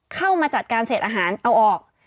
เข้ามาจัดการเศษอาหารเอาออก